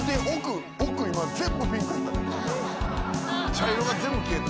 茶色が全部消えた。